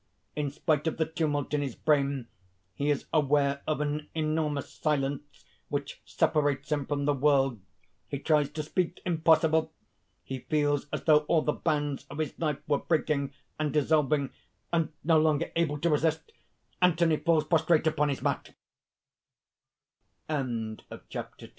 In spite of the tumult in his brain, he is aware of an enormous silence which separates him from the world. He tries to speak; impossible! He feels as though all the bands of his life were breaking and dissolving; and, no longer able to resist, Anthony falls pro